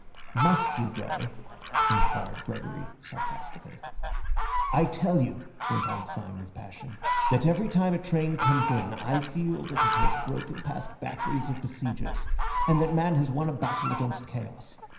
"Must you go?" inquired Gregory sarcastically. "I tell you," went on Syme with passion, "that every time a train comes in I feel that it has broken past batteries of besiegers, and that man has won a battle against chaos.